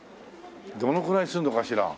どのくらいするのかしら？